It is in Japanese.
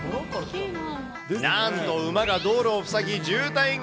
なんと馬が道路を塞ぎ、渋滞が。